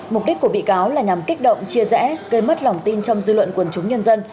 mục đích của bị cáo là nhằm kích động chia rẽ gây mất lòng tin trong dư luận quần chúng nhân dân